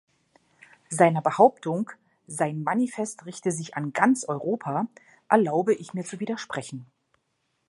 Seiner Behauptung, sein Manifest richte sich an ganz Europa, erlaube ich mir zu widersprechen.